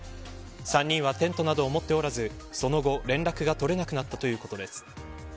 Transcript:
３人はテントなどを持っておらずその後、連絡が取れなくなったということです。